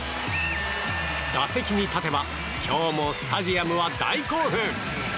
打席に立てば今日もスタジアムは大興奮。